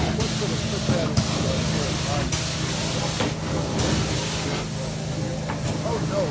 "What could have put that into your head, Rogers?" exclaimed Hemming, feeling rather queer. "Oh, no!